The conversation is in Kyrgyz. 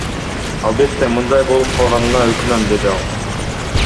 Албетте, мындай болуп калганына өкүнөм, — деди ал.